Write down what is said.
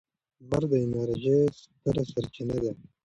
لمر د انرژۍ ستره سرچینه ده.